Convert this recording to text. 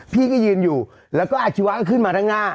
พี่ก็ยืนอยู่แล้วก็อาชีวะก็ขึ้นมาด้านหน้า